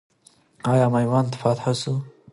آیا میوند فتح سو؟